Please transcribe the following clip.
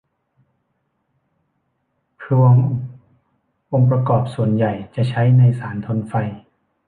พลวงองค์ประกอบส่วนใหญ่จะใช้ในสารทนไฟ